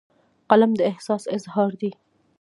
قلم د احساس اظهار دی